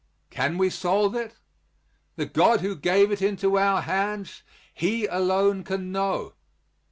Can we solve it? The God who gave it into our hands, He alone can know.